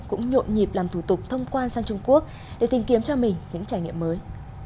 cũng nhộn nhịp làm thủ tục thông quan sang trung quốc để tìm kiếm cho mình những trải nghiệm mới